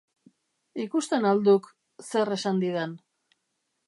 Ikusten al duk, zer esan didan?